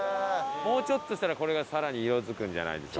もうちょっとしたらこれが更に色付くんじゃないでしょうかね。